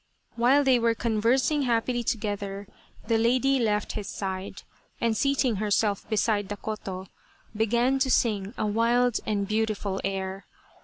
While they were conversing happily together the lady left his side, and seating herself beside the koto, began to sing a wild and beautiful air.